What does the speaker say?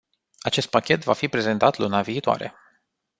Acest pachet va fi prezentat luna viitoare.